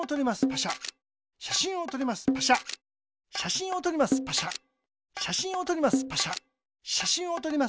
しゃしんをとります。